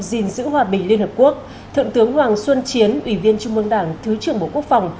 gìn giữ hòa bình liên hợp quốc thượng tướng hoàng xuân chiến ủy viên trung mương đảng thứ trưởng bộ quốc phòng